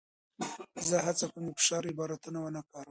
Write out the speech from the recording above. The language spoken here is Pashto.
زه هڅه کوم د فشار عبارتونه ونه کاروم.